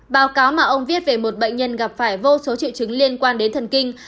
báo cáo mà ông viết về một bệnh nhân gặp phải vô số triệu chứng liên quan đến thần kinh